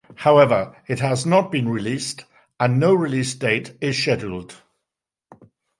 However, it has not been released, and no release date is scheduled.